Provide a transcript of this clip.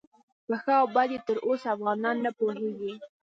په ښه او بد یې تر اوسه افغانان نه پوهیږي.